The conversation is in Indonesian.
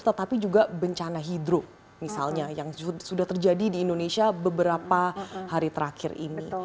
tetapi juga bencana hidro misalnya yang sudah terjadi di indonesia beberapa hari terakhir ini